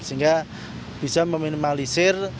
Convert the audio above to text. sehingga bisa meminimalisir